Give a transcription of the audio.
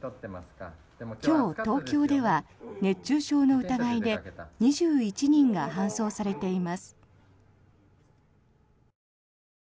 今日、東京では熱中症の疑いで２１人が搬送されています。